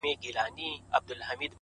هغه به دروند ساتي چي څوک یې په عزت کوي;